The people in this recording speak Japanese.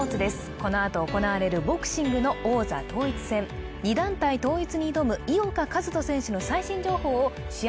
このあと行われるボクシングの王座統一戦２団体統一に挑む井岡一翔選手の最新情報を試合